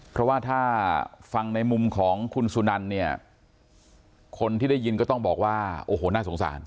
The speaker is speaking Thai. เพราะว่าถ้าฟังในมุมของคุณสุนันเนี่ยคนที่ได้ยินก็ต้องบอกว่าโอ้โหน่าสงสาร